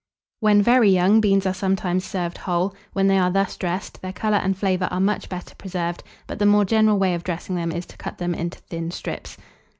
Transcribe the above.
When very young, beans are sometimes served whole: when they are thus dressed, their colour and flavour are much better preserved; but the more general way of dressing them is to cut them into thin strips.